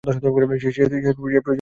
সে প্রয়োজন সাধারণত হয় না।